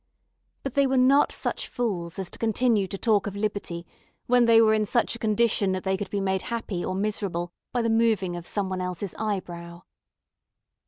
But they were not such fools as to continue to talk of liberty when they were in such a condition that they could be made happy or miserable by the moving of someone else's eyebrow.